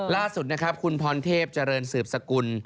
ล่าสุดนะครับคุณพรเทพเจริญสืบสกุล